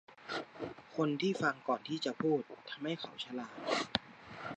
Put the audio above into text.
คนที่ฟังก่อนที่จะพูดทำให้เขาฉลาด